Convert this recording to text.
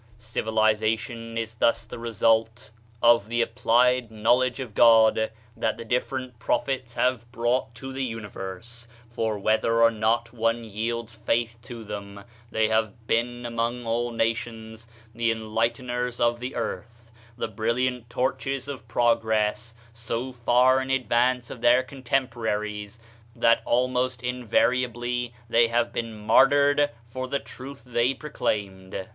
Civilization is thus the result of the applied 37 THE SHINING PATHWAY knowledge of God that the different prophets have brought to the universe, for whether or not one yields faith to them, they have been among all nations the enlighteners of the earth, the brilliant torches of progress so far in ad vance of their contemporaries that almost in variably they have been martyred for the truth they proclaimed.